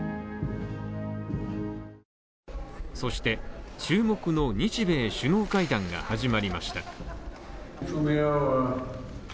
そして注目の日米首脳会談が始まりました。